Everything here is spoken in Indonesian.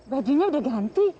bajunya udah ganti